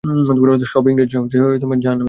সব ইংরেজরা জাহান্নামে যাক!